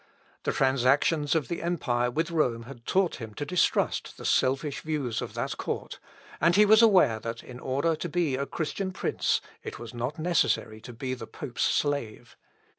The transactions of the empire with Rome had taught him to distrust the selfish views of that court; and he was aware that in order to be a Christian prince, it was not necessary to be the pope's slave.